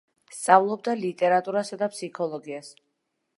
სწავლობდა ლიტერატურასა და ფსიქოლოგიას.